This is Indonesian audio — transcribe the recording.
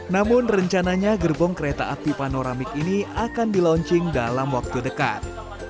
namun rencananya gerbong kereta api panoramik ini akan di launching dalam waktu dekat